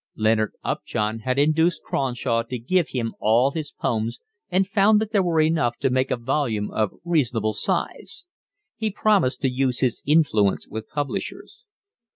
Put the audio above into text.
Leonard Upjohn had induced Cronshaw to give him all his poems and found that there were enough to make a volume of reasonable size. He promised to use his influence with publishers.